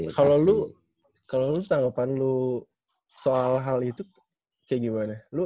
kalau lu kalau tanggapan lu soal hal itu kayak gimana